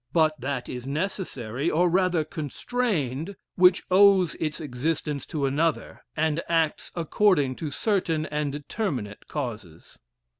But that is necessary, or rather constrained, which owes its existence to another, and acts according to certain and determinate causes.